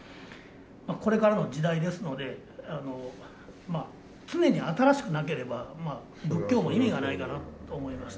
これからの時代ですので常に新しくなければ仏教も意味がないかなと思いまして。